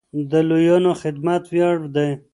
د لويانو خدمت وياړ دی.